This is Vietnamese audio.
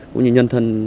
cũng như nhân thân